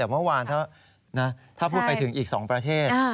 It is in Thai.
แต่เมื่อวานถ้าพูดไปถึงอีก๒ประเทศ